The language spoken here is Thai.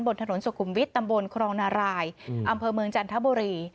บนถนนสุขุมวิทย์ตำบลครองนารายอำเภอเมืองจันทบุรี